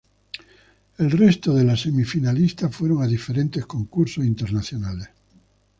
El resto de la semifinalista fueron a diferentes concursos internacionales.